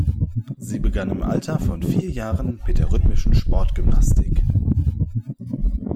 Sie begann im Alter von vier Jahren mit der rhythmischen Sportgymnastik.